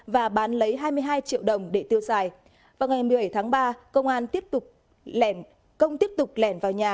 và bán lấy hai mươi hai triệu đồng để tiêu xài vào ngày một mươi bảy tháng ba công tiếp tục lèn vào nhà